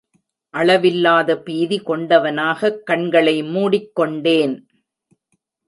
அளவில்லாத பீதி கொண்டவனாகக் கண்களை மூடிக் கொண்டேன்.